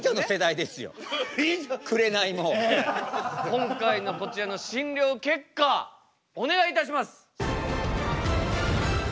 今回のこちらの診療結果お願いいたします。